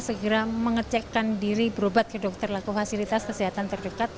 segera mengecekkan diri berobat ke dokter laku fasilitas kesehatan terdekat